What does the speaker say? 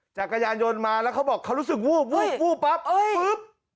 จักรยานยนต์มาแล้วเขาบอกเขารู้สึกวูบวูบวูบปั๊บเอ้ยปุ๊บ